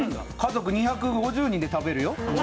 家族２５０人で食べるよ。